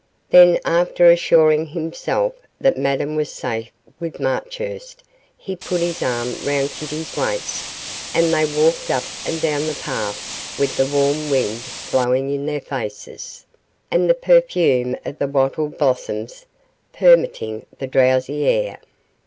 Then, after assuring himself that Madame was safe with Marchurst, he put his arm round Kitty's waist, and they walked up and down the path with the warm wind blowing in their faces, and the perfume of the wattle blossoms permeating the drowsy air.